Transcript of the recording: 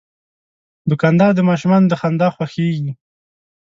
دوکاندار د ماشومانو د خندا خوښیږي.